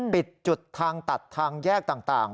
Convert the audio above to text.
ปิดจุดทางตัดทางแยกต่าง